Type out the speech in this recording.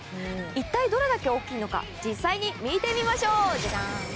一体どれだけ大きいのか実際に見てみましょう。